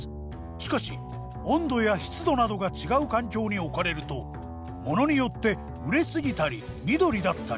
しかし温度や湿度などが違う環境に置かれるとモノによって熟れ過ぎたり緑だったり。